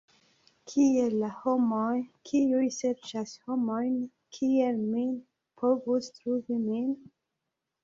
Kiel la homoj, kiuj serĉas homojn kiel min, povus trovi min?